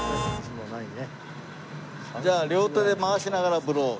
じゃあ両手で回しながらブロー。